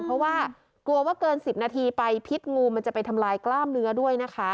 เพราะว่ากลัวว่าเกิน๑๐นาทีไปพิษงูมันจะไปทำลายกล้ามเนื้อด้วยนะคะ